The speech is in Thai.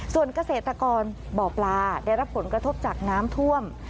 ส่วนเกษตรกรบ่อปลาได้รับผลกระทบจากน้ำท่วม